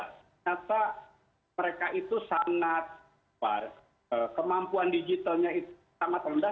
ternyata mereka itu sangat kemampuan digitalnya itu sangat rendah